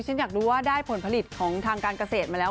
ว่าได้ผลผลิตของทางการเกษตรมาแล้ว